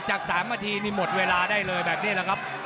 จาก๓นาทีนี่หมดเวลาได้เลยแบบนี้แหละครับ